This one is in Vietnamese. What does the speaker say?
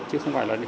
chứ không phải là